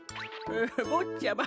ぼっちゃま